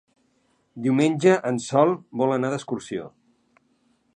Diumenge en Sol vol anar d'excursió.